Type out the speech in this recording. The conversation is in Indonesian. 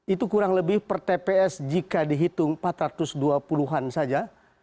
itu kurang lebih per tps jika dihitung empat ratus dua puluh an saja